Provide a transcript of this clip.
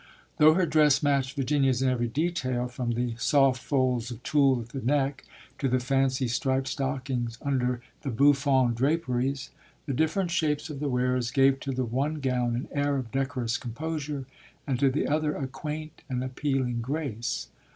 Though her dress matched Virginia's in every detail, from the soft folds of tulle at the neck to the fancy striped stockings under the bouffant draperies, the different shapes of the wearers gave to the one gown an air of decorous composure and to the other a quaint and appealing grace.